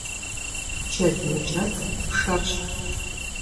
Джэд мыкӀэцӀ пшэрщ.